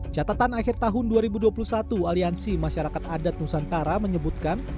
catatan akhir tahun dua ribu dua puluh satu aliansi masyarakat adat nusantara menyebutkan